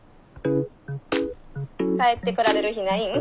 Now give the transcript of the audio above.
帰ってこられる日ないん？